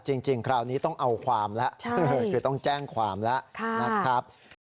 จริงคราวนี้ต้องเอาความแล้วคือต้องแจ้งความแล้วนะครับ